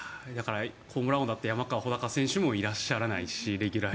ホームラン王だった山川穂高選手もいらっしゃらないしレギュラーに。